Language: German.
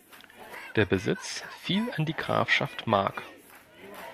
Der Besitz fiel an die Grafschaft Mark.